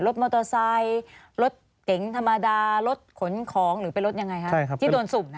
รถมอเตอร์ไซค์รถเก๋งธรรมดารถขนของหรือเป็นรถยังไงครับ